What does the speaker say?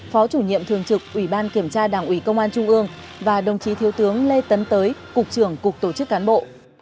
phó chủ nhiệm thường trực ủy ban kiểm tra đảng ủy công an trung ương và đồng chí thiếu tướng lê tấn tới cục trưởng cục tổ chức cán bộ